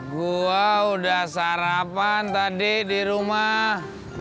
gua udah sarapan tadi di rumah